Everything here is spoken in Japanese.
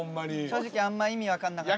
正直あんま意味分かんなかった。